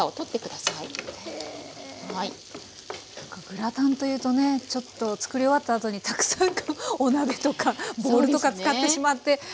グラタンというとねちょっと作り終わったあとにたくさんお鍋とかボウルとか使ってしまってああ